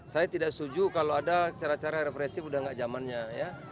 saya tidak setuju kalau ada cara cara represif sudah tidak zamannya